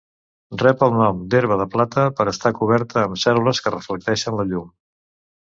Rep el nom d'herba de plata per estar coberta amb cèl·lules que reflecteixen la llum.